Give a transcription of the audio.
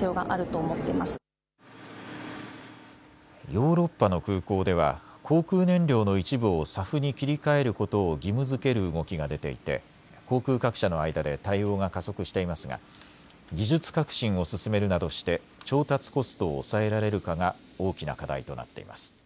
ヨーロッパの空港では航空燃料の一部をＳＡＦに切り替えることを義務づける動きが出ていて航空各社の間で対応が加速していますが技術革新を進めるなどして調達コストを抑えられるかが大きな課題となっています。